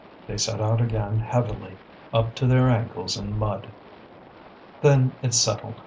They set out again heavily, up to their ankles in mud. "Then it's settled.